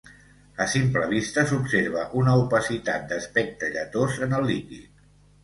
A simple vista s'observa una opacitat d'aspecte lletós en el líquid.